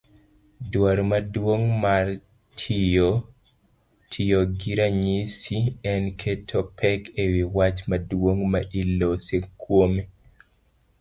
Dwaro maduong' mar tiyogi ranyisi en keto pek ewi wach maduong' ma iloso kuome.